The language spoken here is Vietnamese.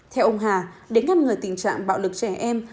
theo ông hà để ngăn ngừa tình trạng bạo lực trẻ em